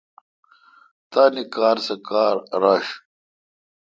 تان کار سہ کار رݭ۔